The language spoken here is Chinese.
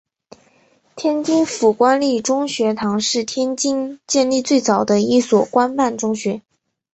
天津府官立中学堂是天津建立最早的一所官办中学。